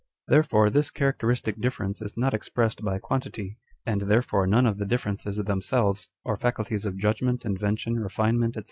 Therefore this characteristic difference is not expressed by quantity, and therefore none of the differences them selves, or faculties of judgment, invention, refinement, &c.